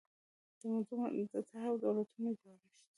د موضوع طرحه او د دولتونو جوړښت